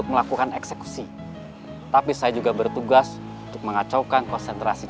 kamu risa ceritanya calon korban duduk